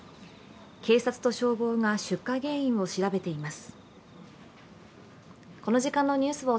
警察と消防が出火原因を調べています。